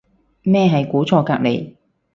咩係估錯隔離